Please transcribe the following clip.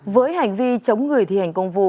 với hành vi chống người thì hành công vụ